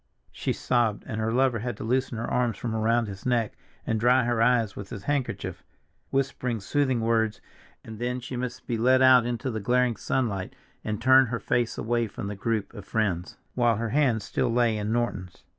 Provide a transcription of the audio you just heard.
she sobbed, and her lover had to loosen her arms from around his neck and dry her eyes with his handkerchief, whispering soothing words, and then she must be led out into the glaring sunlight and turn her face away from the group of friends, while her hand still lay in Norton's.